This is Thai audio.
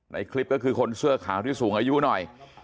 ในคลิปก็คือคนเสื้อขาวที่สูงอายุหน่อย